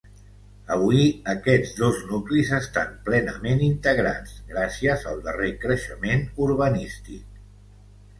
Avui aquests dos nuclis estan plenament integrats, gràcies al darrer creixement urbanístic.